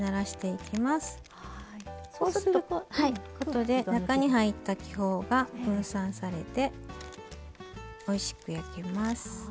ことで中に入った気泡が分散されておいしく焼けます。